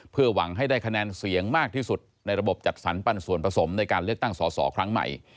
เพื่อหวังให้ได้คะแนนเสียงมากที่สุดในระบบจัดสรรปันส่วนผสมในการเลือกตั้งสอสอครั้งใหม่